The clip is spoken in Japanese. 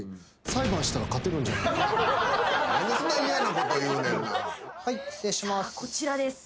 さあこちらです。